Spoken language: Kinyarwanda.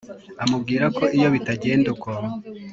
amubwirako iyo bitagenda uko